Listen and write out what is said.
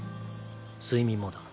睡眠もだ。